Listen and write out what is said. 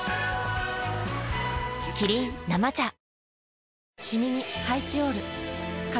キリン「生茶」あ！